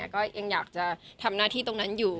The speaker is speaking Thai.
ก็ยังอยากจะทำหน้าที่ตรงนั้นอยู่